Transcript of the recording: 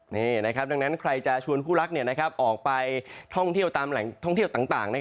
นี่นะครับดังนั้นใครจะชวนคู่รักออกไปท่องเที่ยวตามแหล่งท่องเที่ยวต่าง